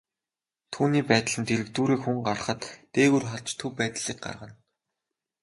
Түүний байдал нь дэргэдүүрээ хүн гарахад, дээгүүр харж төв байдлыг гаргана.